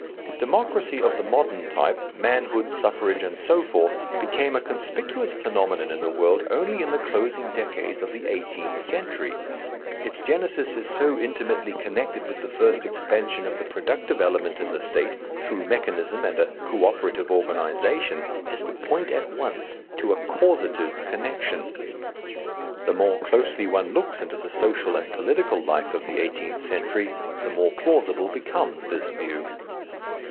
Democracy of the modern type, manhood suffrage and so forth, became a conspicuous phenomenon in the world only in the closing decades of the eighteenth century. Its genesis is so intimately connected with the first expansion of the productive element in the State, through mechanism and a co operative organization, as to point at once to a causative connection. The more closely one looks into the social and political life of the eighteenth century the more plausible becomes this view.